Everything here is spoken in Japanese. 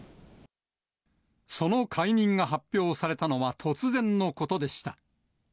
その解任が発表されたのは突然のことでした。